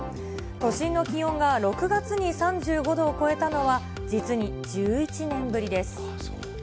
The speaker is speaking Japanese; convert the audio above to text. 都心の気温が６月に３５度を超えたのは、実に１１年ぶりです。